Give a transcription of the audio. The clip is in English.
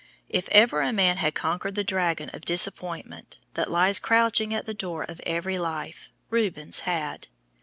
If ever a man had conquered the dragon of disappointment, that lies crouching at the door of every life, Rubens had.